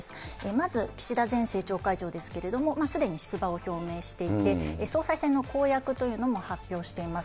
まず、岸田前政調会長ですけれども、すでに出馬を表明していて、総裁選の公約というのも発表しています。